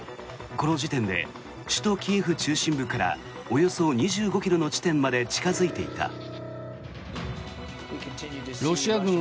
この時点で首都キエフ中心部からおよそ２５ｋｍの地点まで近付いていた。